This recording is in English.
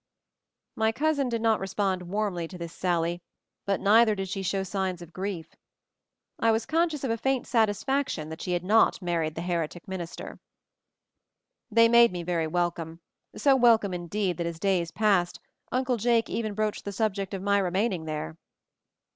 My cousin did not respond warmly to this sally, but neither did she show signs of grief. I was conscious of a faint satisfaction that she had not married the heretic minister. 282 MOVING THE MOUNTAIN They made me very welcome, so welcome indeed that as days passed, Uncle Jake even broached the subject of my remaining there.